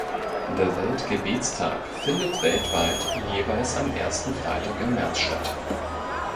Der Weltgebetstag findet weltweit jeweils am ersten Freitag im März statt.